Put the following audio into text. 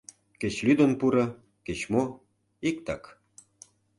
Кеч лӱдын пуро, кеч-мо... иктак...